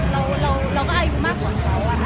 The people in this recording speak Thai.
เราก็อายุมากกว่าเขา